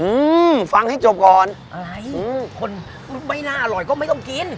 อืมฟังให้จบก่อนอะไรอืมคนไม่น่าอร่อยก็ไม่ต้องกิน